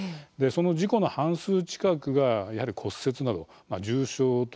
その事故の半数近くが、やはり骨折など重傷となっています。